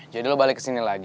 jadi lo balik ke sini lagi